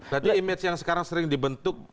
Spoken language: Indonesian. berarti image yang sekarang sering dibentuk